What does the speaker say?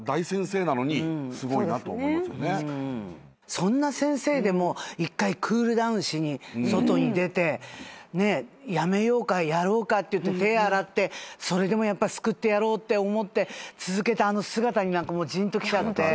そんな先生でも１回クールダウンしに外に出てやめようかやろうかって手洗ってそれでも救ってやろうと思って続けたあの姿にじんときちゃって。